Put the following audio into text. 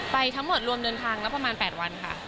ทั้งหมดรวมเดินทางแล้วประมาณ๘วันค่ะ